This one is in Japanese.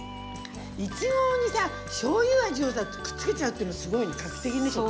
いちごにさしょうゆ味をだってくっつけちゃうっていうのすごいね画期的ね。